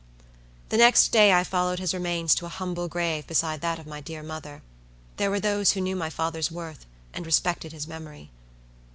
The next day I followed his remains to a humble grave beside that of my dear mother. There were those who knew my father's worth, and respected his memory.